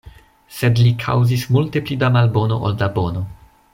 Sed li kaŭzis multe pli da malbono ol da bono.